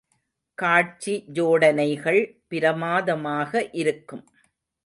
காட்சி ஜோடனைகள் பிரமாதமாக இருக்கும்.